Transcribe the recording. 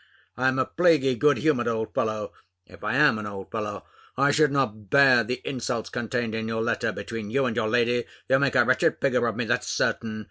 I'm a plaguy good humoured old fellow if I am an old fellow or I should not bear the insults contained in your letter. Between you and your lady, you make a wretched figure of me, that's certain.